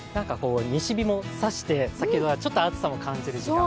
西日もさして、先ほどからちょっと暑さも感じるような。